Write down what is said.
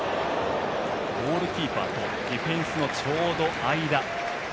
ゴールキーパーとディフェンスのちょうど間。